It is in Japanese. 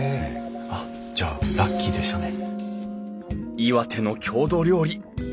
あっじゃあラッキーでしたね。